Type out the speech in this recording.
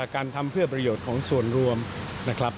การทำเพื่อประโยชน์ของส่วนรวมนะครับ